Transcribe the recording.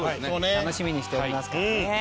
楽しみにしておりますからね。